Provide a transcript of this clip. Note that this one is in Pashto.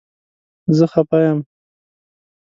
زه خفه یم